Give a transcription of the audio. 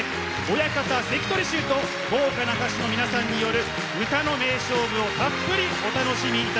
親方関取衆と豪華な歌手の皆さんによる歌の名勝負をたっぷりお楽しみ頂きます。